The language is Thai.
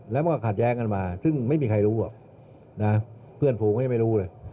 แล้วก็ฆัดแย้งกันมาซึ่งไม่มีใครรู้เพื่อนฝูงยังไม่รู้เลย